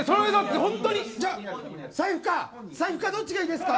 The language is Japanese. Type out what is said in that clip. じゃあ、財布かどっちがいいですか？